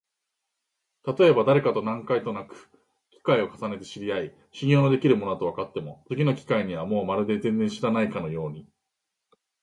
たとえばだれかと何回となく機会を重ねて知り合い、信用のできる者だとわかっても、次の機会にはもうまるで全然知らないかのように、